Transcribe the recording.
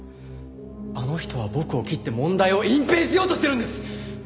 あの人は僕を切って問題を隠蔽しようとしてるんです！